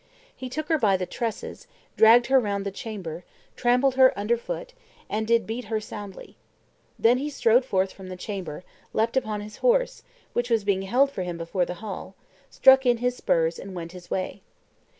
He took her by the tresses, dragged her round the chamber, trampled her under foot, and did beat her soundly. Then he strode forth from the chamber, leaped upon his horse, which was being held for him before the hall, struck in his spurs, and went his way.